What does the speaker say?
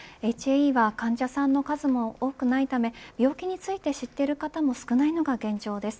ＨＡＥは患者さんの数も多くないため病気について知っている方も少ないのが現状です。